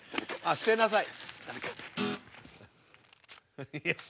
捨てなさい。